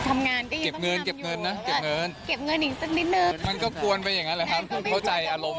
มันใสมากครับ